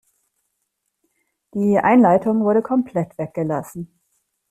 Die Einleitung wurde komplett weggelassen.